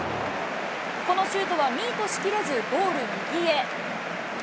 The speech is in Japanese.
このシュートはミートしきれず、ゴール右へ。